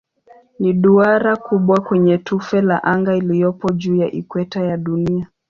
Ni duara kubwa kwenye tufe la anga iliyopo juu ya ikweta ya Dunia.